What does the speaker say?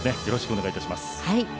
よろしくお願いします。